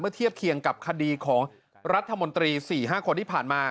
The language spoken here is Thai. เทียบเคียงกับคดีของรัฐมนตรี๔๕คนที่ผ่านมา